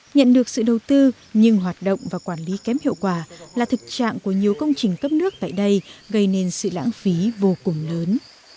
nhận được sự đầu tư nhưng hoạt động và quản lý kém hiệu quả là thực trạng của nhiều công trình cấp nước tại đây gây nên sự lãng phí vô cùng lớn